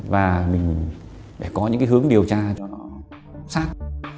và mình phải có những hướng điều tra cho nó sát